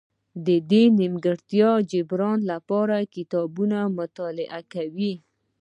د دې نیمګړتیا جبران لپاره کتابونه مطالعه کوي.